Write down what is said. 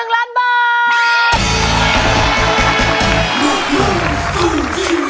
๑ล้านบอร์ด